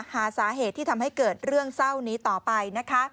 หาสาเหตุที่ทำให้เกิดเรื่องเศร้านี้ต่อไปนะคะ